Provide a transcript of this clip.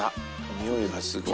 においがすごい。